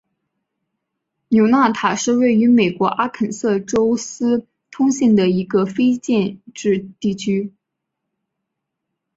纽纳塔是位于美国阿肯色州斯通县的一个非建制地区。